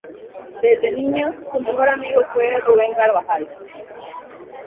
Desde niño, su mejor amigo fue Ruben Carbajal.